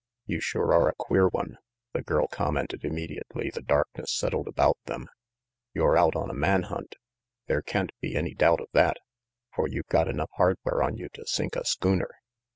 "You sure are a queer one," the girl commented, immediately the darkness settled about them. "You're out on a man hunt. There can't be any doubt of that, for you've got enough hardware on you to sink a schooner.